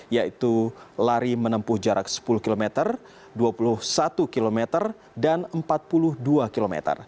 yaitu lari menempuh jarak sepuluh km dua puluh satu km dan empat puluh dua km